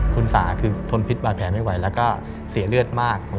คุณสาคือทนพิษบาดแผลไม่ไหวแล้วก็เสียเลือดมาก